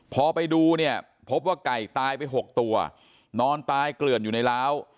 พอไปดูเนี่ยพบว่าไก่ตายไป๖ตัวนอนตายเกลื่อนอยู่ในล้าว